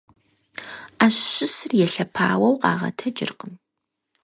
Ӏэщ щысыр елъэпауэу къагъэтэджыркъым.